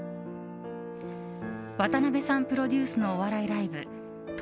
渡辺さんプロデュースのお笑いライブ徹